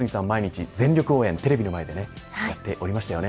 毎日全力応援でテレビの前でやっておりましたよね。